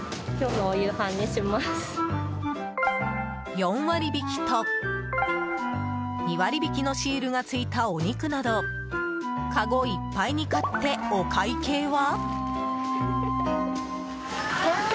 ４割引きと２割引きのシールがついたお肉などかごいっぱいに買ってお会計は。